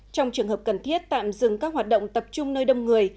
trong trường hợp cần thiết tạm dừng các hoạt động tập trung nơi đông người